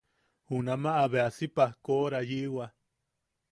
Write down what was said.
Junamaʼa bea si pajkoʼora yiʼiwa.